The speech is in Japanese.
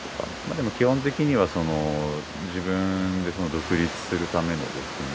でも基本的には自分で独立するためのですね